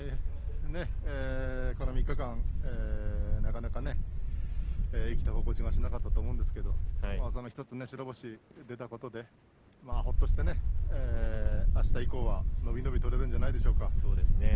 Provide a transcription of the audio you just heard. この３日間なかなかね生きた心地がしなかったと思うんですけれど１つ白星が出たことでほっとしてねあした以降は伸び伸び取れるんじゃないでしょうか。